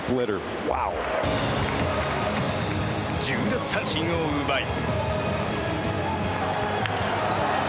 １０奪三振を奪い。